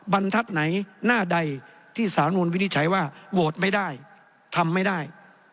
บรรทัศน์ไหนหน้าใดที่สารมนุนวินิจฉัยว่าโหวตไม่ได้ทำไม่ได้